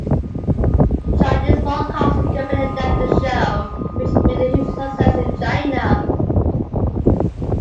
Chinese broadcasting company adapted this show, which made a huge success in China.